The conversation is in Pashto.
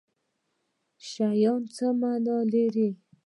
شیان څه معنی لري